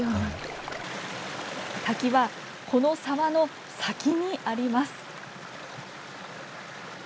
滝はこの沢の先にあります。